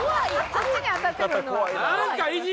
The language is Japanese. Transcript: こっちに当たってくるのは。